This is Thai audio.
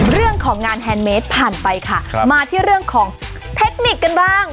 เรื่องของงานแฮนดเมสผ่านไปค่ะมาที่เรื่องของเทคนิคกันบ้าง